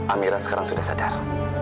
amira sekarang sudah sadar